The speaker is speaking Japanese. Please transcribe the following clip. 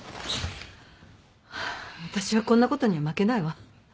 私はこんな事には負けないわ。